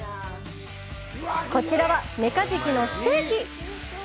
こちらは、メカジキのステーキ！